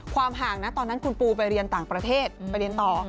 ความห่างนะตอนนั้นคุณปูไปเรียนต่างประเทศไปเรียนต่อ